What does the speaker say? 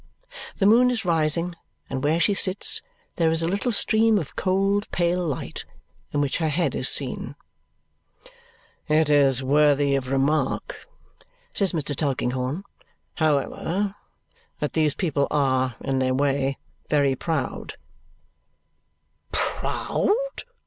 The moon is rising, and where she sits there is a little stream of cold pale light, in which her head is seen. "It is worthy of remark," says Mr. Tulkinghorn, "however, that these people are, in their way, very proud." "Proud?"